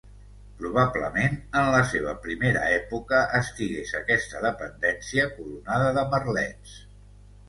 Probablement, en la seva primera època, estigués aquesta dependència coronada de merlets.